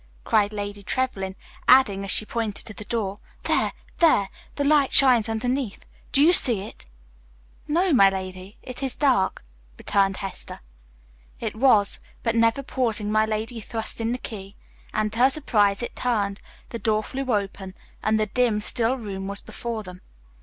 cried Lady Trevlyn, adding, as she pointed to the door, "There, there, the light shines underneath. Do you see it?" "No, my lady, it's dark," returned Hester. It was, but never pausing my lady thrust in the key, and to her surprise it turned, the door flew open, and the dim, still room was before them.